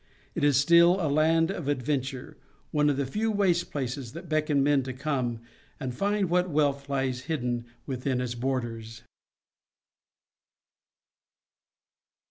It is still a land of adventure, one of the few waste places that beckon men to come and find what wealth lies hidden within its borders.